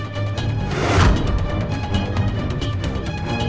tapi aku senggak ngeme